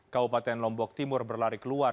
kabupaten lombok timur berlari keluar